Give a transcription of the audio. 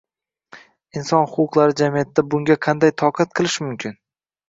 Inson huquqlari jamiyatida bunga qanday toqat qilish mumkin?